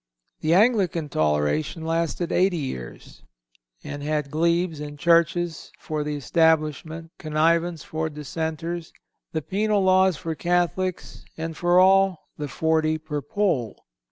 The Anglican toleration lasted eighty years, and had glebes and churches for the Establishment, connivance for Dissenters, the penal laws for Catholics, and for all, the forty per poll.